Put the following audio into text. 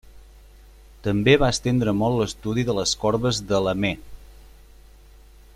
També va estendre molt l'estudi de les corbes de Lamé.